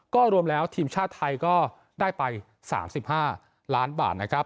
ก็รวมแล้วทีมชาติไทยก็ได้ไป๓๕ล้านบาทนะครับ